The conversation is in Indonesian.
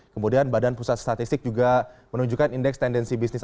kemudian badan pusat statistik juga menunjukkan indeks tendensi bisnis